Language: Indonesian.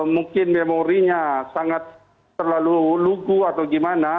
mungkin memorinya sangat terlalu lugu atau gimana